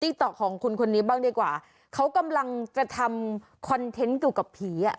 ต๊อกของคุณคนนี้บ้างดีกว่าเขากำลังจะทำคอนเทนต์เกี่ยวกับผีอ่ะ